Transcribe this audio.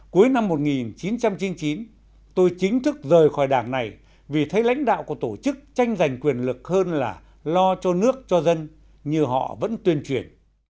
cuối năm một nghìn chín trăm chín mươi chín tôi chính thức rời khỏi đảng này vì thấy lãnh đạo của tổ chức tranh giành quyền lực hơn là lo cho nước cho dân như họ vẫn tuyên truyền